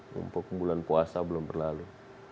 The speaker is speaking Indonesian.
mumpuk bulan puasa belum berlalu